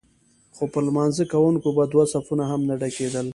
خو پر لمانځه کوونکو به دوه صفونه هم نه ډکېدل.